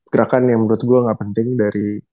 gerakan yang menurut gue gak penting dari